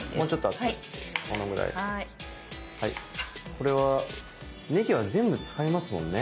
これはねぎは全部使いますもんね。